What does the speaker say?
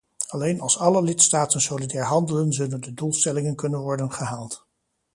Alleen als alle lidstaten solidair handelen zullen de doelstellingen kunnen worden gehaald.